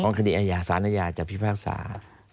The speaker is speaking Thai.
คดีอาญาสารอาญาจะพิพากษา